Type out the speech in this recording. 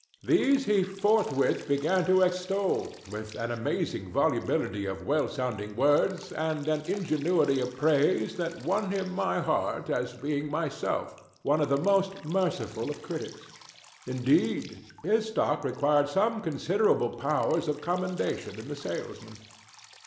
These he forthwith began to extol with an amazing volubility of well sounding words and an ingenuity of praise that won him my heart as being myself one of the most merciful of critics. Indeed, his stock required some considerable powers of commendation in the salesman.